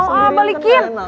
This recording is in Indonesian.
mau ah balikin